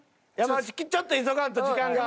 ちょっと急がんと時間が。